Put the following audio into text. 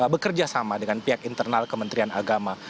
bekerja sama dengan pihak internal kementerian agama